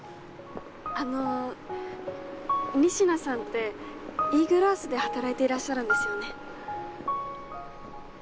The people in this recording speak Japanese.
あの仁科さんってイーグルアースで働いていらっしゃるんですよね？